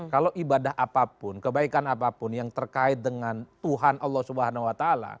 kalau ibadah apapun kebaikan apapun yang terkait dengan tuhan allah swt